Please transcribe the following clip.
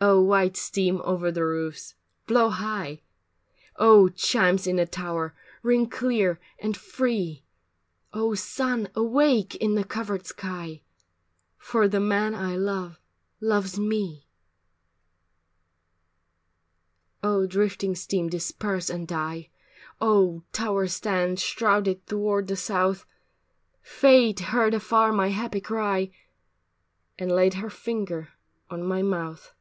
II Oh white steam over the roofs, blow high! Oh chimes in the tower ring clear and free ! Oh sun awake in the covered sky, For the man I love, loves me I ... Oh drifting steam disperse and die, Oh tower stand shrouded toward the south, Fate heard afar my happy cry, And laid her finger on my mouth.